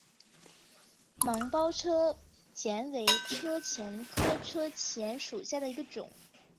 芒苞车前为车前科车前属下的一个种。